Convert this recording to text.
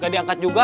gak diangkat juga